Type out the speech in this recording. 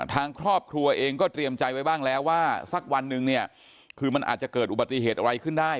ทางครอบครัวเองก็เตรียมใจไว้บ้างแล้วว่าสักวันนึงเนี่ยคือมันอาจจะเกิดอุบัติเหตุอะไรขึ้นได้